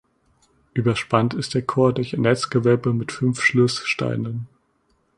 Überspannt ist der Chor durch ein Netzgewölbe mit fünf Schlusssteinen.